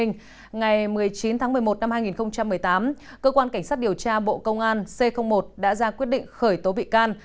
ngày một mươi chín tháng một mươi một năm hai nghìn một mươi tám cơ quan cảnh sát điều tra bộ công an c một đã ra quyết định khởi tố bị can